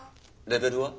レベルは？